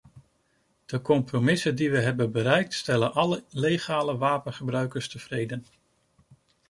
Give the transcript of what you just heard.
De compromissen die we hebben bereikt, stellen alle legale wapengebruikers tevreden.